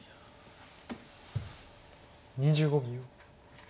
２５秒。